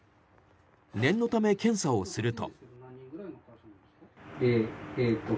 念のため、検査をすると。